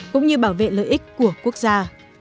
cũng như bảo vệ lợi ích của quốc gia